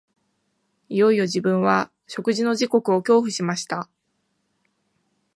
いよいよ自分は食事の時刻を恐怖しました